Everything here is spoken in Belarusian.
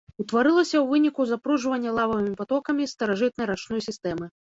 Утварылася ў выніку запруджвання лававымі патокамі старажытнай рачной сістэмы.